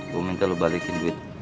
gue minta lu balikin duit